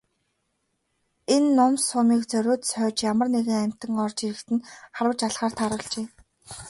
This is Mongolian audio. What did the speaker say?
Энэ нум сумыг зориуд сойж ямар нэгэн амьтан орж ирэхэд нь харваж алахаар тааруулжээ.